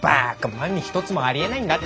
万に一つもありえないんだって！